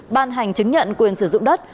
ban hành chứng nhận quyền sử dụng đất